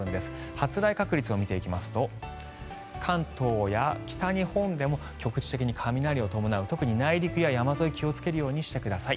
発雷確率を見ていきますと関東や北日本でも局地的に雷を伴う特に内陸や山沿いを気をつけるようにしてください。